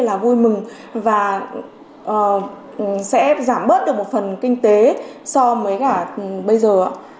tôi rất vui mừng và sẽ giảm bớt được một phần kinh tế so với bây giờ